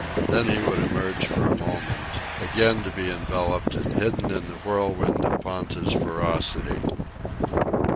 Then he would emerge for a moment, again to be enveloped and hidden in the whirlwind of Ponta's ferocity.